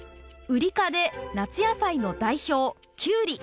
ウリ科で夏野菜の代表キュウリ！